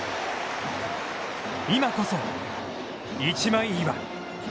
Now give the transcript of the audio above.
今こそ一枚岩。